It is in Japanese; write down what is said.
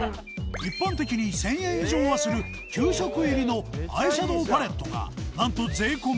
一般的に１０００円以上はする９色入りのアイシャドウパレットがなんと税込み